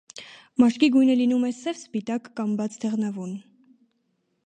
Մաշկի գույնը լինում է սև, սպիտակ կամ բաց դեղնավուն։